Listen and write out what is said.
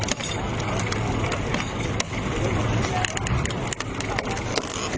อาหารนี้ขนาดไหนปล่อยไม่ได้